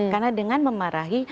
karena dengan memarahi